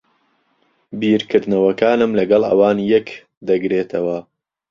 بیرکردنەوەکانم لەگەڵ ئەوان یەک دەگرێتەوە.